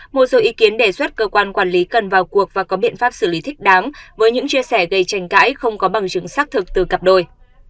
một số ý kiến đề xuất cơ quan quản lý cần vào cuộc và có biện pháp xử lý thích đáng với những chia sẻ gây tranh cãi không có bằng chứng xác thực từ cặp đôi